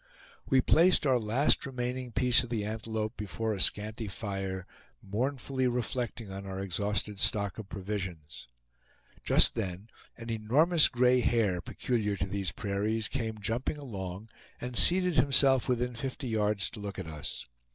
We placed our last remaining piece of the antelope before a scanty fire, mournfully reflecting on our exhausted stock of provisions. Just then an enormous gray hare, peculiar to these prairies, came jumping along, and seated himself within fifty yards to look at us.